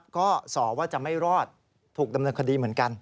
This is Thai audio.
ก็สอว่าจะไม่รอดถูกดำเนินคดีเหมือนกัน